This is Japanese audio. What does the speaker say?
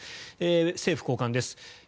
政府高官です。